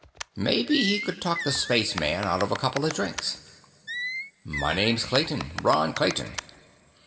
Maybe he could talk the spaceman out of a couple of drinks. "My name's Clayton. Ron Clayton."